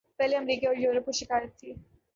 پہلے امریکہ اور یورپ کو شکایت تھی۔